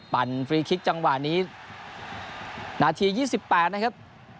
ปั่นฟรีคิกจังหวะนี้หน้าที๒๘นะครับ